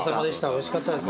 おいしかったです